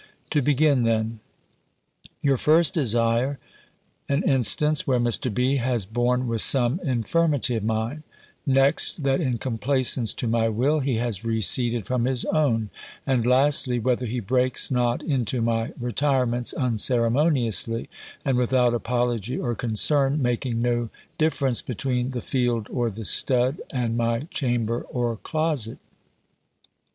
To begin then: You first desire an instance, where Mr. B. has borne with some infirmity of mine: Next, that in complaisance to my will, he has receded from his own: And lastly, whether he breaks not into my retirements unceremoniously; and without apology or concern, making no difference between the field or the stud, and my chamber or closet?